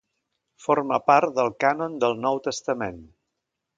Forma part del cànon del Nou Testament.